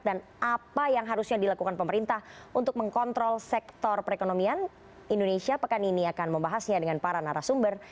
dan apa yang harusnya dilakukan pemerintah untuk mengkontrol sektor perekonomian indonesia pekan ini akan membahasnya dengan para narasumber